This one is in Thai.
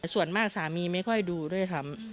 ส่วนมากสามีไม่ค่อยดูด้วยซ้ำ